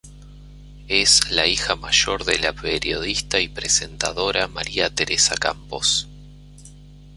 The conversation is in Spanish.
Es la hija mayor de la periodista y presentadora María Teresa Campos.